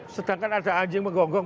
sedangkan ada anjing menggonggong